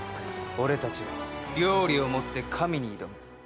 俺たちは料理をもって神に挑む。